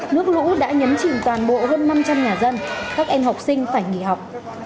nước lũ đã nhấn chìm toàn bộ hơn năm trăm linh nhà dân các em học sinh phải nghỉ học